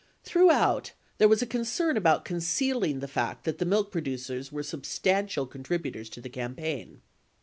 Throughout, there was a concern about concealing the fact that the milk producers were sub stantial contributors to the campaign.